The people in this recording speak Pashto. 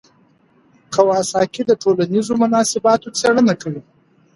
کواساکي د ټولنیزو مناسباتو څېړنه کوي.